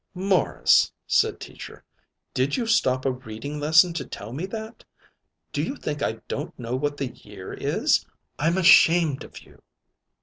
"Morris," said Teacher, "did you stop a reading lesson to tell me that? Do you think I don't know what the year is? I'm ashamed of you."